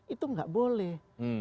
itu nggak boleh